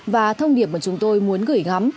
và thông điệp mà chúng tôi muốn gửi gắm